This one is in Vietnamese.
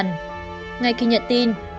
ngay khi nhận tin đội cứu hộ đều đến tỉnh jaffa